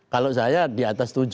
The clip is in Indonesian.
kalau saya di atas tujuh